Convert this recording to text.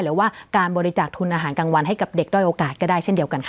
หรือว่าการบริจาคทุนอาหารกลางวันให้กับเด็กด้อยโอกาสก็ได้เช่นเดียวกันค่ะ